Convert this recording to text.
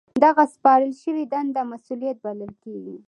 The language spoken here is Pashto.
دغه سپارل شوې دنده مسؤلیت بلل کیږي.